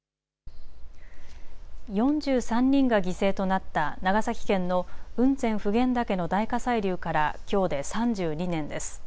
４３人が犠牲となった長崎県の雲仙・普賢岳の大火砕流からきょうで３２年です。